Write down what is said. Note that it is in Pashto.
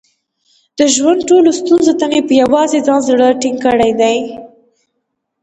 د ژوند ټولو ستونزو ته مې په یووازې ځان زړه ټینګ کړی دی.